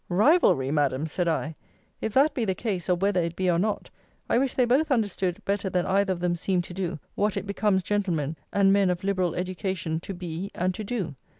Rivalry! Madam, said I. If that be the case, or whether it be or not, I wish they both understood, better than either of them seem to do, what it becomes gentlemen, and men of liberal education, to be, and to do.